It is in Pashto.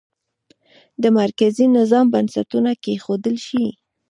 د مرکزي نظام بنسټونه کېښودل شي.